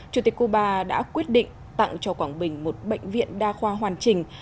chủ tịch cuba đã quyết định tặng cho quảng bình một bệnh viện đa khoa hoàn chỉnh